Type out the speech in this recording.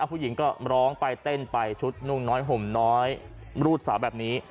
ผู้หญิงก็ร้องไปเต้นไปชุดนุ่งน้อยห่มน้อยรูดสาวแบบนี้